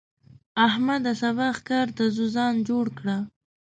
احمده! سبا ښکار ته ځو؛ ځان جوړ کړه.